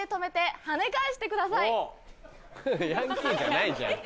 ヤンキーじゃないじゃん。